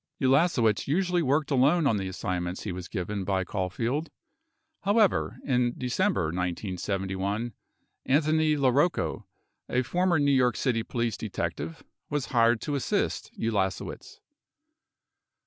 12 Ulasewicz usually worked alone on the assignments he was given by Caulfield. However, in December 1971, Anthony LaRocco, a former New York City police detective was hired to assist Ulasewicz.